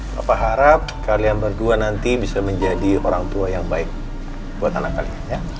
bapak harap kalian berdua nanti bisa menjadi orang tua yang baik buat anak kalian